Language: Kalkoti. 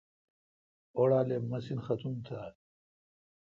اوڑال اے مسین ختُم تھال۔